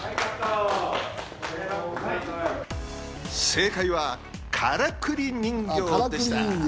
正解は、からくり人形でした。